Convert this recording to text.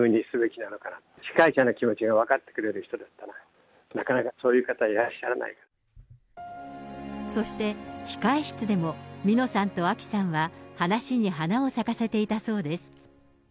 なかなかそういう方、いらっしゃそして、控室でもみのさんとあきさんは、話に花を咲かせていたそうです。